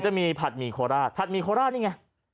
จะมีผัดหมีโคลาผัดหมีโคลานี่ไง